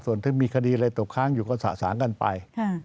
ส่วนที่มีคดีอะไรตกค้างอยู่ก็สะสางกันไป